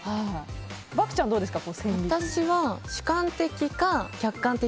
漠ちゃんどうですか？